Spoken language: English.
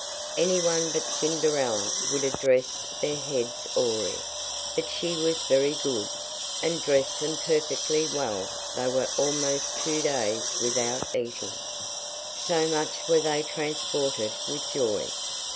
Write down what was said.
Anyone but Cinderella would have dressed their heads awry, but she was very good, and dressed them perfectly well They were almost two days without eating, so much were they transported with joy.